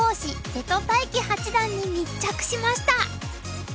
瀬戸大樹八段に密着しました。